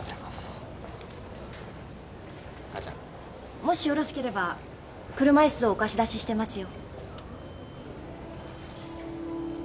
もしよろしければ車椅子をお貸し出ししてますよ。